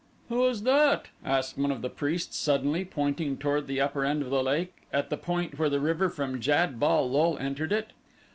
"Who is that?" asked one of the priests suddenly, pointing toward the upper end of the lake at the point where the river from Jad bal lul entered it.